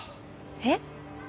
えっ？